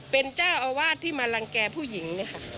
เป็นเจ้าอาวาสที่มารังแก่ผู้หญิงเนี่ยค่ะ